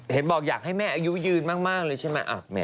บอกอยากให้แม่อายุยืนมากเลยใช่ไหม